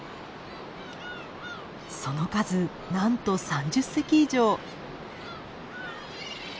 その数なんと３０隻以上。